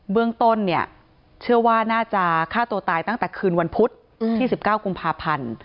เรื่องต้นเนี่ยเชื่อว่าน่าจะฆ่าตัวตายตั้งแต่คืนวันพุธที่๑๙กุมภาพันธ์